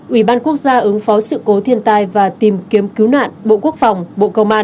ubnd ứng phó sự cố thiên tai và tìm kiếm cứu nạn bộ quốc phòng bộ công an